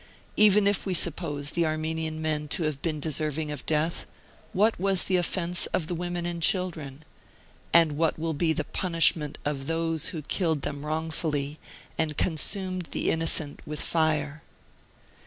Even if we suppose the Ar menian men to have been deserving of death, what was the offence of the women and children? And what will be the punishment of those who killed them wrongfully and consumed the innocent with lire